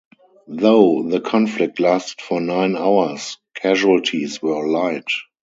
Though the conflict lasted for nine hours, casualties were light.